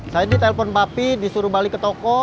saya di telpon papi disuruh balik ke toko